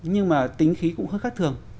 nhưng mà tính khí cũng khá khác thường